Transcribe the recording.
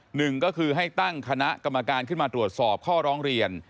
หนึ่งก็คือให้ตั้งคณะกรรมการขึ้นมาตรวจสอบข้อร้องเรียน